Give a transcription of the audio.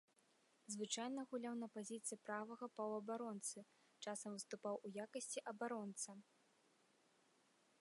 Звычайна гуляў на пазіцыі правага паўабаронцы, часам выступаў у якасці абаронцы.